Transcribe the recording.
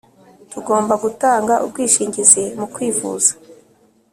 Tugomba gutanga ubwishingizi mukwivuza